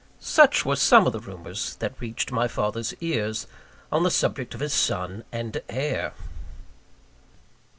Such were some of the rumours that reached my father's ears on the subject of his son and heir!